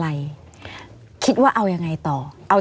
ไม่มีครับไม่มีครับ